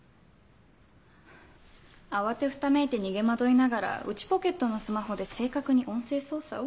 慌てふためいて逃げ惑いながら内ポケットのスマホで正確に音声操作を？